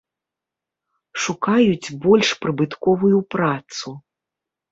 Шукаюць больш прыбытковую працу.